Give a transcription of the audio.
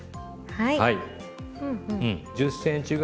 はい。